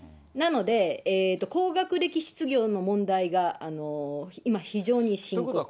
なので、高学歴失業の問題が今、非常に深刻。